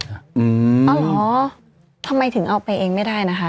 อ๋อเหรอทำไมถึงเอาไปเองไม่ได้นะคะ